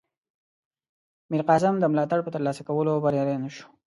میرقاسم د ملاتړ په ترلاسه کولو بریالی نه شو.